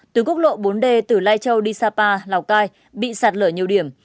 từ quốc lộ bốn d từ lai châu đi sapa lào cai bị sạt lở nhiều điểm